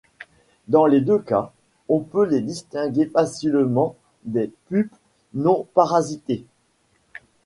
Dans les deux cas, on peut les distinguer facilement des pupes non parasitées.